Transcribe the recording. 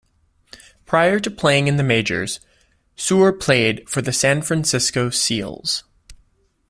Prior to playing in the majors, Suhr played for the San Francisco Seals.